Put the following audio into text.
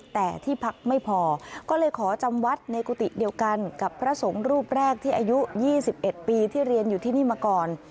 แต่ที่พักไม่พอก็เลยขอจำวัดในกุฏิเดียวกันกับพระสงฆ์รูปแรกที่อายุ๒๑ปีที่เรียนอยู่ที่นี่มาก่อน